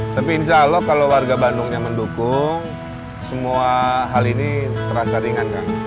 tapi insya allah kalau warga bandungnya mendukung semua hal ini terasa ringan kang